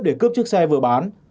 tiếp để cướp chiếc xe vừa bán